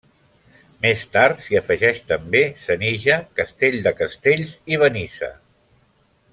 Més tard s'hi afegeix també Senija, Castell de Castells i Benissa.